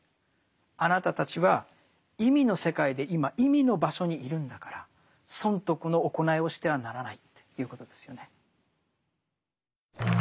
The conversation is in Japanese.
あなたたちは意味の世界で今意味の場所にいるんだから損得の行いをしてはならないということですよね。